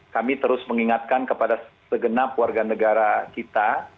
kami terus mengingatkan kepada segenap warga negara kita